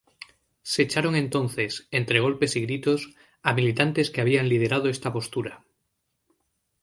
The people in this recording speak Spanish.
Se echaron entonces, entre golpes y gritos, a militantes que habían liderado esta postura.